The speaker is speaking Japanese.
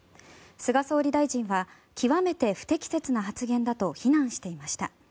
菅総理大臣は極めて不適切な発言だと非難していました。